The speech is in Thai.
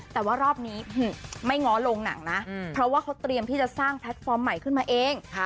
แต่ว่ารอบนี้ไม่ง้อลงหนังนะเพราะว่าเขาเตรียมที่จะสร้างแพลตฟอร์มใหม่ขึ้นมาเอง